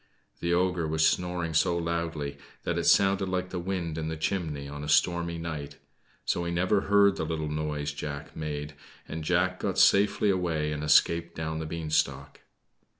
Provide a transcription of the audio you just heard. The ogre was snoring so loudly that it sounded like the wind in the chimney on a stormy night. So he never heard the little noise Jack made, and Jack got safely away and escaped down the beanstalk.